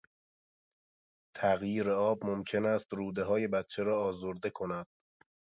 تغییر آب ممکن است رودههای بچه را آزرده کند.